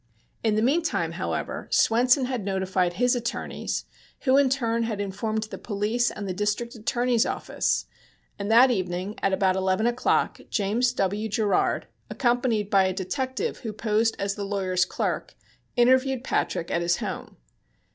In the meantime, however, Swenson had notified his attorneys, who in turn had informed the police and the District Attorney's office, and that evening at about eleven o'clock James W. Gerard, accompanied by a detective, who posed as the lawyer's clerk, interviewed Patrick at his home.